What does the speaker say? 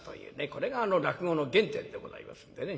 これが落語の原点でございますんでね。